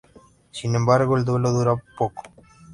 Sin embargo, el duelo dura poco.